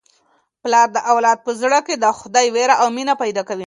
پلار د اولاد په زړه کي د خدای وېره او مینه پیدا کوي.